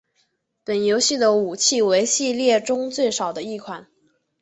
本游戏的武器为系列作中最少的一款。